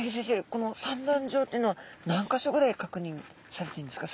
この産卵場というのは何か所ぐらい確認されてるんですか？